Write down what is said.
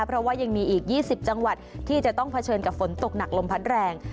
เพราะว่ายังมีอีก๒๐จังหวัดที่จะต้องเผชิญกับฝนตกหนักลมพัดแรง